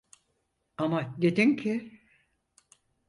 Ama dedin ki…